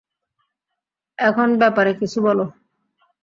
এখন ব্যাপারে কিছু বলো।